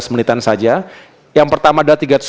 lima belas menitan saja yang pertama adalah